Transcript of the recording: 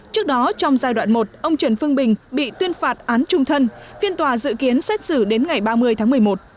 trước đó trong giai đoạn một ông trần phương bình bị tuyên phạt án trung thân phiên tòa dự kiến xét xử đến ngày ba mươi tháng một mươi một